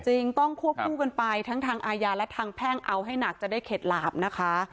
จริงต้องควบคู่กันไปทั้งทางอาญาและทางแพ่งเอาให้หนักจะได้เข็ดหลาบนะคะ